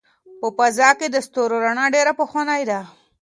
په فضا کې د ستورو رڼا ډېره پخوانۍ ده.